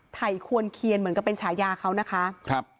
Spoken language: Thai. ไทควรเคียนเหมือนกับเป็นฉายาเขานะคะครับ